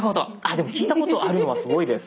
でも聞いたことあるのはすごいです。